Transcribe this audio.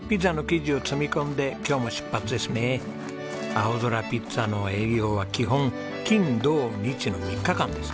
あおぞらピッツァの営業は基本金土日の３日間です。